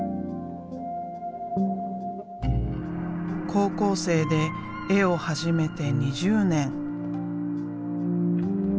高校生で絵を始めて２０年。